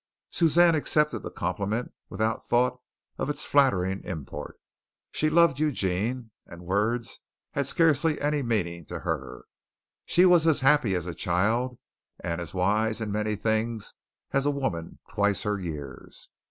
Suzanne accepted the compliment without thought of its flattering import. She loved Eugene, and words had scarcely any meaning to her. She was as happy as a child and as wise in many things as a woman twice her years.